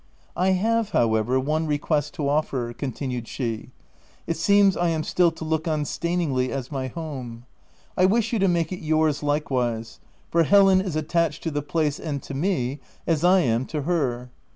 " I have, however one request to offer," con tinued she. " It seems I am still to look on Staningley as my home : I wish you to make it yours likewise, for Helen is attached to the place and to me — as I am to her.